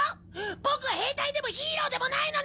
ボクは兵隊でもヒーローでもないのに。